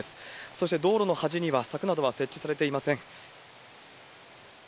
そして道路の端には柵などは設置されていません。